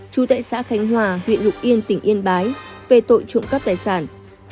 chú tại xã khánh hòa huyện lục yên tỉnh yên bái về tội trộm cắp tài sản